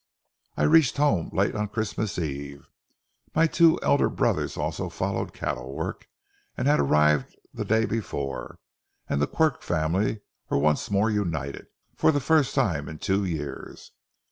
I reached home late on Christmas eve. My two elder brothers, who also followed cattle work, had arrived the day before, and the Quirk family were once more united, for the first time in two years.